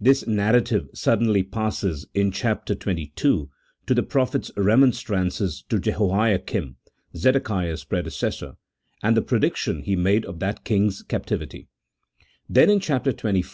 This narrative suddenly passes, in chap xxii., to the prophet's remonstrances to Jehoiakim (Zedekiah's predecessor), and the prediction he made of that king's cap tivity ; then, in chap, xxv.